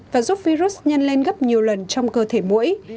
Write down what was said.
và giúp virus nhân lên gấp nhiều lần trong cơ thể mũi